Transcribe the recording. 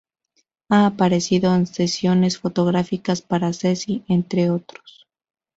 Ha aparecido en sesiones fotográficas para "Ceci", entre otros...